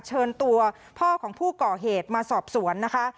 เชิญตัวพ่อของผู้ก่อเหตุมาสอบสวนนะคะ